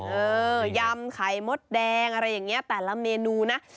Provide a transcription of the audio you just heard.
ยำไข่มดแดงอะไรอย่างนี้แต่ละเมนูนะ